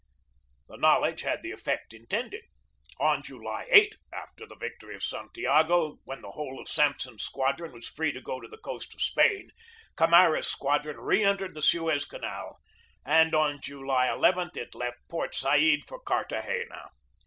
The knowledge had the effect in tended. On July 8, after the victory of Santiago, when the whole of Sampson's squadron was free to go to the coast of Spain, Camara's squadron re en tered the Suez Canal, and on July n it left Port Said for Cartagena.